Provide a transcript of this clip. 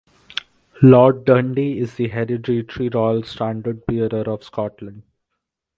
Lord Dundee is the Hereditary Royal Standard Bearer of Scotland.